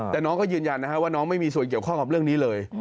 แต่น้องก็ยืนยันว่าน้องไม่มีส่วนเกี่ยวข้องกับเรื่องนี้เลย